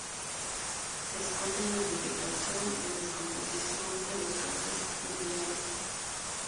Se esconde en la vegetación en descomposición de los cauces fluviales.